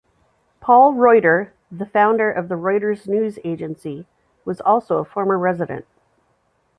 Paul Reuter, the founder of the Reuters news agency, was also a former resident.